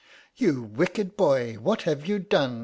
"You wicked boy, what have you done?"